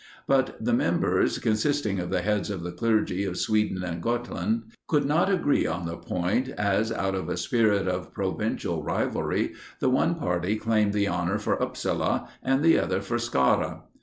But the members, consisting of the heads of the clergy of Sweden and Gothland, could not agree on the point, as, out of a spirit of provincial rivalry, the one party claimed the honor for Upsala, and the other for Skara.